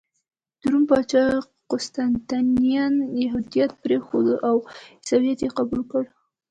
د روم پاچا قسطنطین یهودیت پرېښود او عیسویت یې قبول کړ.